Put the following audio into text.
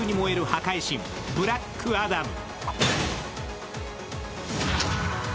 破壊神ブラックアダム。